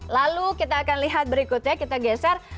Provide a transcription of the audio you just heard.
lalu kita akan lihat berikutnya kita geser